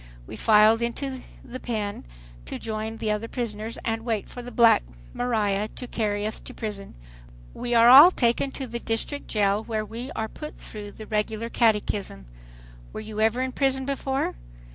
We filed into the "pen," to join the other prisoners, and wait for the "black maria" to carry us to prison. We are all taken to the District Jail, where we are put through the regular catechism: "Were you ever in prison before?